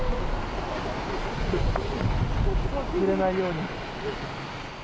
濡れないように。